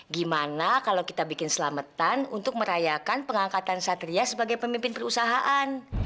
gimana kalau kita bikin selamatan untuk merayakan pengangkatan satria sebagai pemimpin perusahaan